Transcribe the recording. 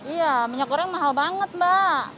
iya minyak goreng mahal banget mbak